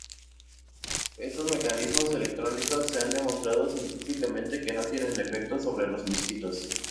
Estos mecanismos electrónicos se ha demostrado científicamente que no tienen efecto sobre los mosquitos.